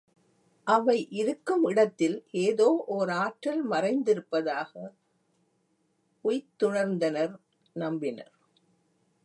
அவை இருக்கும் இடத்தில் ஏதோ ஒர் ஆற்றல் மறைந்திருப்பதாக உய்த்துணர்ந்தனர்நம்பினர்.